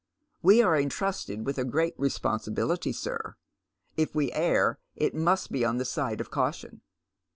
We are entrusted with a great responsibility, sir. If we err it must be on the side of caution."